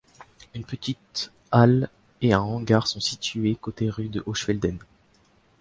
Une petite halle et un hangar sont situés côté rue de Hochfelden.